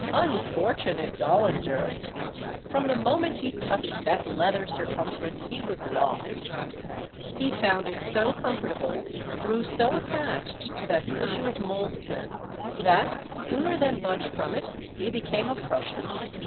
Unfortunate Dollinger ! From the moment he touched that leather cir cumference he was lost. He found it so comfort able, grew so attached to that cushion of moleskin, that sooner than budge from it, he became a Prus sian.